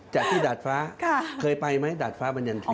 จากที่ดาดฟ้าเคยไปไหมดาดฟ้าบรรยันที